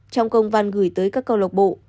trong công văn gửi tới các cầu lộc bộ